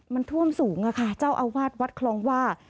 มันท่วมสูงค่ะเจ้าอาวาสวัดคลองว่า